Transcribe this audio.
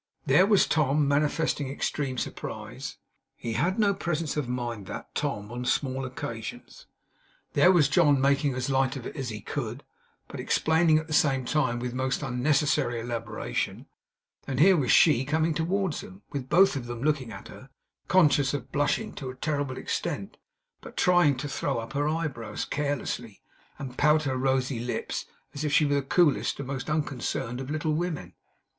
There was Tom, manifesting extreme surprise (he had no presence of mind, that Tom, on small occasions); there was John, making as light of it as he could, but explaining at the same time with most unnecessary elaboration; and here was she, coming towards them, with both of them looking at her, conscious of blushing to a terrible extent, but trying to throw up her eyebrows carelessly, and pout her rosy lips, as if she were the coolest and most unconcerned of little women.